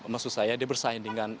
maksud saya dia bersaing dengan